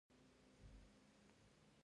ایا دا ناروغي بل چا ته تیریږي؟